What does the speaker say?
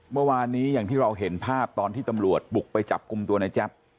เมื่อวานนี้อย่างที่เราเห็นภาพตอนที่ตำรวจบุกไปจับกลุ่มตัวในแจ๊บ